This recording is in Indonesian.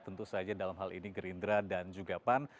tentu saja dalam hal ini gerindra dan juga pan